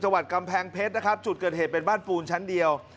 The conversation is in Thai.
วัดกำแพงเพชรนะครับจุดเกิดเหตุเป็นบ้านปูนชั้นเดียว